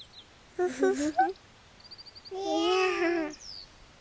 フッフフ。